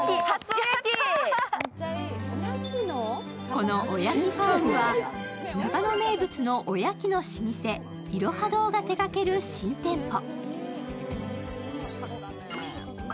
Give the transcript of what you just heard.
このおやきファームは長野名物の長野名物のおやきの老舗、いろは堂が手がける新店舗。